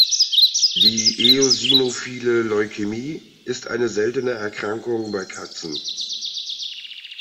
Die eosinophile Leukämie ist eine seltene Erkrankung bei Katzen.